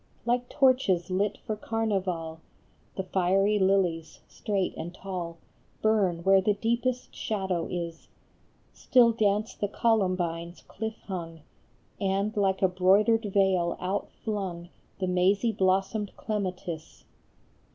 Like torches lit for carnival, The fiery lilies, straight and tall, Burn where the deepest shadow is ; Still dance the columbines cliff hung, And like a broidered veil outflung The mazy blossomed clematis.